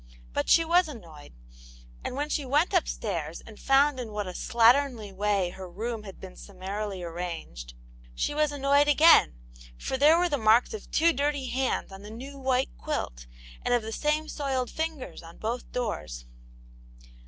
But she was annoyed, and when she went upstairs and found in what a slatternly way her room had been summarily arranged, she was annoyed again, for there were the marks of two dirty hands on the new white quilt, and of the same soiled fingers on both doors.